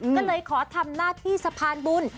ก็เลยขอทำหน้าที่สะพานบุญ